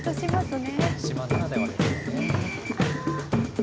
島ならではですよね。